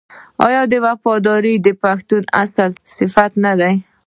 آیا وفاداري د پښتون اصلي صفت نه دی؟